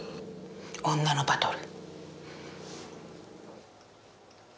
女のバトル。